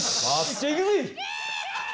じゃあいくぜ！